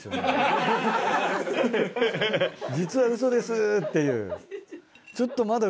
「実はウソです」っていう。